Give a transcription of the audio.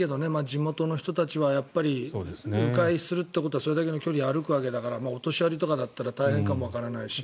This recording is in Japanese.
地元の人たちは迂回するっていうことはそれだけの距離を歩くわけだからお年寄りとかだったら大変かもわからないし。